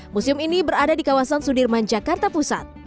musim ini berada di kawasan sudirman jakarta pusat